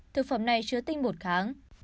thực phẩm này chứa tinh bột kháng